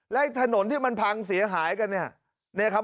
และถนนที่มันพังเสียหายกันเนี่ยนะครับ